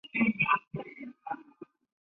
次年义军被镇压后。